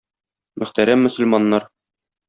Мөхтәрәм мөселманнар!